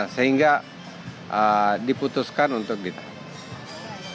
sehingga diputuskan untuk ditahan